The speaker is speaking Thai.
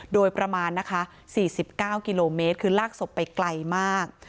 โดยประมาณนะคะ๔๙กิโลเมตรคือลากศพไปไกลมาก